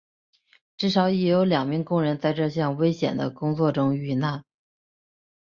至少已有两名工人在这项危险的工作中遇难。